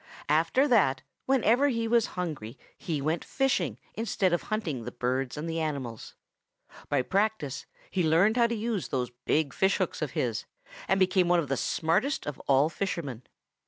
After that, whenever he was hungry, he went fishing instead of hunting the birds and the animals. By practice he learned how to use those big fishhooks of his and became one of the smartest of all fishermen.